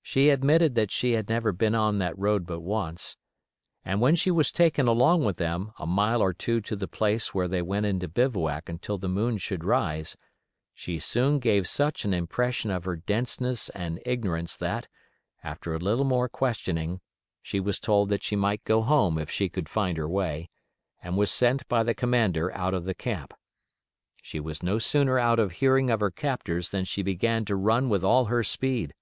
She admitted that she had never been on that road but once. And when she was taken along with them a mile or two to the place where they went into bivouac until the moon should rise, she soon gave such an impression of her denseness and ignorance that, after a little more questioning, she was told that she might go home if she could find her way, and was sent by the commander out of the camp. She was no sooner out of hearing of her captors than she began to run with all her speed.